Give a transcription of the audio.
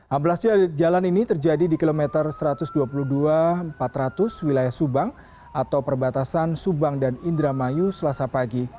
amblasnya jalan ini terjadi di kilometer satu ratus dua puluh dua empat ratus wilayah subang atau perbatasan subang dan indramayu selasa pagi